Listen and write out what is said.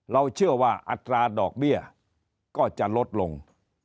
เราเชื่อว่าอัตราดอกเบี้ยก็จะลดลง